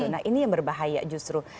nah ini yang berbahaya justru